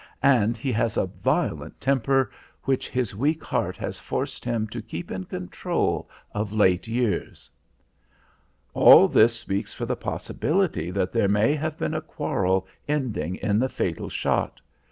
And he has a violent temper which his weak heart has forced him to keep in control of late years." "All this speaks for the possibility that there may have been a quarrel ending in the fatal shot.